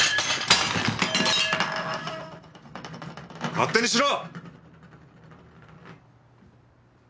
勝手にしろ！